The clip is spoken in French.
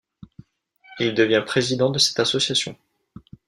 Il devient président de cette association.